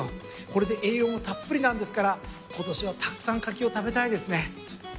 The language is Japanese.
これで栄養もたっぷりなんですから今年はたくさん柿を食べたいですね。